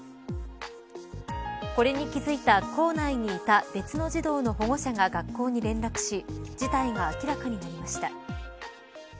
これに気付いた校内にいた別の児童の保護者が学校に連絡し事態が明らかになりました。